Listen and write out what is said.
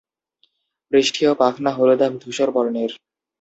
পৃষ্ঠীয় পাখনা হলুদাভ ধূসর বর্ণের।